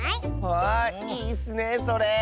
わいいッスねそれ。